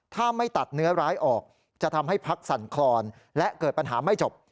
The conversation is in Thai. ถ้าไม่ตัดเนื้อร้ายออกจะทำให้พักสั่นคลอนและเกิดปัญหาไม่จบ